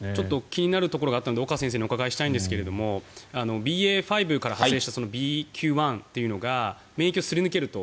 気になるところがあったので岡先生にお伺いしたいんですがＢＡ．５から派生したＢＱ．１というのが免疫をすり抜けると。